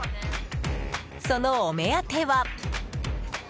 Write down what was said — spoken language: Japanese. そのお目当ては。